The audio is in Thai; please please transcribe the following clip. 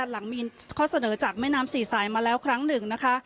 หลังมีข้อเสนอจากแม่น้ำสี่สายมาแล้วครั้งหนึ่งนะคะ